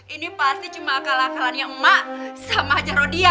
ini pasti cuma akal akalannya emak sama aja rodia